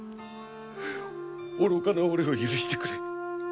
愚かな俺を許してくれ。